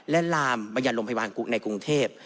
และลามบัญญารมพยาบาลในกรุงเทพฯ